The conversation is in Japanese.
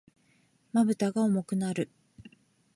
瞼が重くなる。